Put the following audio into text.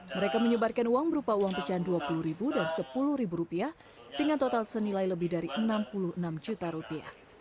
mereka menyebarkan uang berupa uang pecahan rp dua puluh dan rp sepuluh dengan total senilai lebih dari enam puluh enam juta rupiah